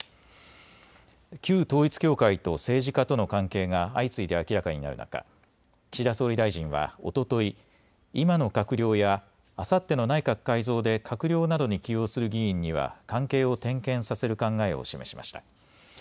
旧統一教会と政治家との関係が相次いで明らかになる中、岸田総理大臣はおととい、今の閣僚やあさっての内閣改造で閣僚などに起用する議員には関係を点検させる考えを示しました。